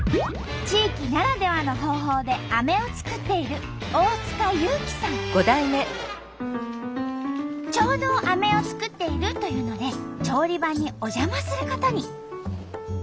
地域ならではの方法でアメを作っているちょうどアメを作っているというので調理場にお邪魔することに。